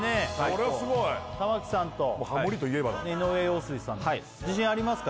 これはすごい玉置さんと井上陽水さんの自信ありますか？